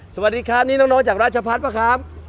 สวัสดีครับนี่น้องจากราชพัฒน์ป่ะครับ